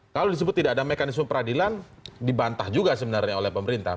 kalau disebut tidak ada mekanisme peradilan dibantah juga sebenarnya oleh pemerintah